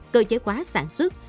cơ chế quá sản xuất